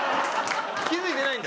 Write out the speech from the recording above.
気付いてないんだ？